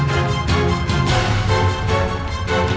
jangan lagi membuat onar di sini